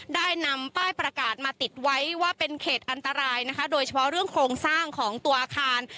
ได้นำป้ายประกาศมาติดไว้ว่าเป็นเขตอันตรายนะคะโดยเฉพาะเรื่องโครงสร้างของตัวอาคาร